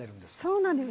そうなんです。